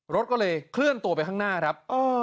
รถก็เลยเคลื่อนตัวไปข้างหน้าครับ